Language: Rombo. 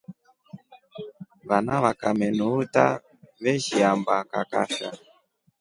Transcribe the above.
Vana vakame nuuta veshiamba kaakasha.